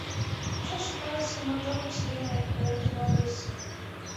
Шошо пагыт шке моторлыкшо дене ойыртемалтеш.